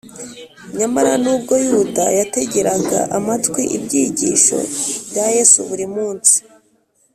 nyamara nubwo yuda yategeraga amatwi ibyigisho bya yesu buri munsi